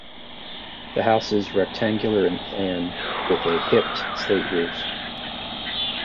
The house is rectangular in plan, with a hipped slate roof.